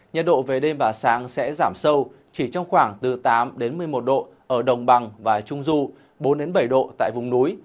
nhiệt độ về đêm và sáng sẽ giảm sâu chỉ trong khoảng từ tám một mươi một độ ở đồng bằng và trung du bốn bảy độ tại vùng núi